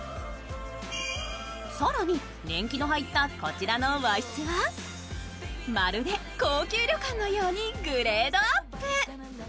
更に年季の入ったこちらの和室はまるで高級旅館のようにグレードアップ。